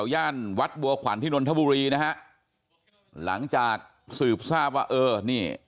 ย่านวัดบัวขวัญที่นนทบุรีนะฮะหลังจากสืบทราบว่าเออนี่